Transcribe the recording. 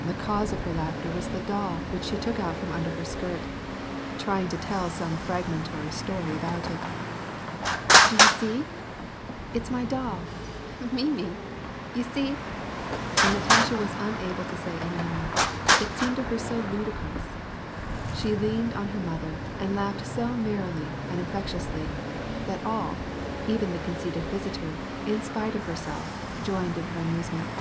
The cause of her laughter was the doll, which she took out from under her skirt, trying to tell some frag mentary story about it. "Do you see ?— It's my doll — Mimi — You see *'—^ And Katasha was unable to say any more, it seemed to her so ludicrous. She leaned on her mother and laughed so merrily and infectiously, that all, even the conceited visitor, in spite of herself, joined in her amusement.